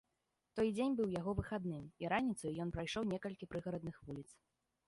Той дзень быў яго выхадным, і раніцаю ён прайшоў некалькі прыгарадных вуліц.